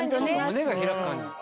胸が開く感じ。